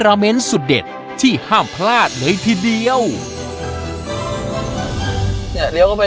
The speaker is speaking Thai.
ราเมนสุดเด็ดที่ห้ามพลาดเลยทีเดียวเนี่ยเดี๋ยวเข้าไป